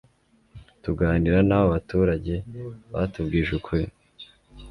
Tuganira nabo baturage batubwije ukuri